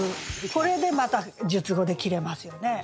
これでまた述語で切れますよね。